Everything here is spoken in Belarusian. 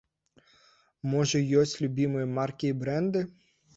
Можа, ёсць любімыя маркі і брэнды?